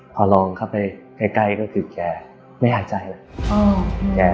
พอร้องเข้าไปใกล้ก็คือแกไม่อาจใจแล้ว